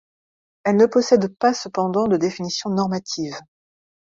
Elle ne possède pas cependant de définition normative.